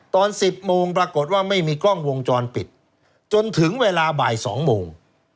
ตอน๑๐โมงปรากฏว่าไม่มีกล้องวงจรปิดจนถึงเวลาบ่าย๒โมง